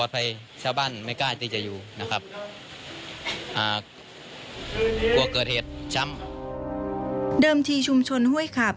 เดิมทีชุมชนห้วยขาบ